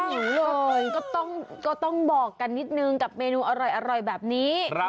อยู่เลยก็ต้องก็ต้องบอกกันนิดนึงกับเมนูอร่อยอร่อยแบบนี้ครับ